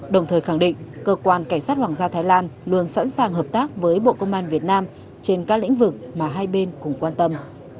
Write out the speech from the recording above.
đồng thời khẳng định cơ quan cảnh sát hoàng gia thái lan luôn sẵn sàng hợp tác với bộ công an việt nam trên các lĩnh vực mà hai bên cùng quan tâm